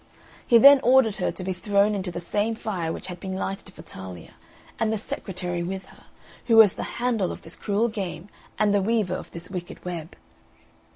He then ordered her to be thrown into the same fire which had been lighted for Talia, and the secretary with her, who was the handle of this cruel game and the weaver of this wicked web.